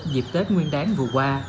dịp tết nguyên đáng vừa qua